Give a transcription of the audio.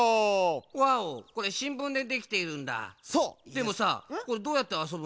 でもさこれどうやってあそぶの？